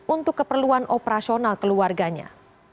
untuk keperluan operasional keluarganya